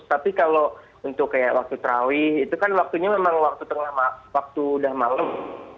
tapi kalau untuk kayak waktu terawih itu kan waktunya memang waktu tengah waktu udah malam